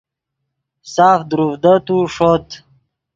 ساف دروڤدتو ݰوت